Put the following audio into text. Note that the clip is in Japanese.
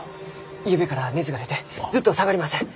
ゆうべから熱が出てずっと下がりません！